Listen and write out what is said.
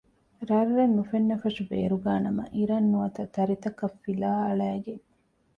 ރަށްރަށް ނުފެންނަފަށު ބޭރުގައި ނަމަ އިރަށް ނުވަތަ ތަރިތަކަށް ފިލާ އަޅައިގެން